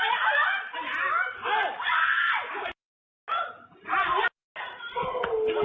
ไอตายอ่ะจะไปชายจะไปเธอไปพี่จะไปนายก็ตายกัน